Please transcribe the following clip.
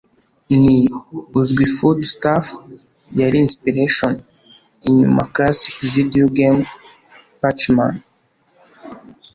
Ni uzwi Food Stuff yari inspiration inyuma Classic Video Game PacMan?